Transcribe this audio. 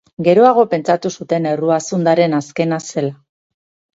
Geroago pentsatu zuten errua zundaren azkena zela.